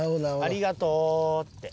ありがとうって。